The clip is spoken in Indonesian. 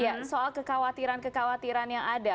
iya soal kekhawatiran kekhawatiran yang ada